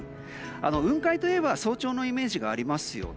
雲海といえば早朝のイメージがありますよね。